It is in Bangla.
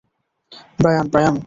Brian, Brian.